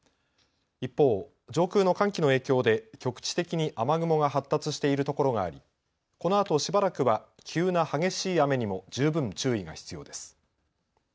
一方、上空の寒気の影響で局地的に雨雲が発達しているところがありこのあとしばらくは急な激しい雨にも十分注意が必要です。